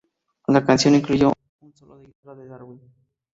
La canción incluyó un solo de guitarra de David Gilmour.